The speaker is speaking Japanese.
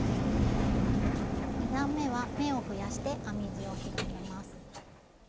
２段めは目を増やして編み地を広げます。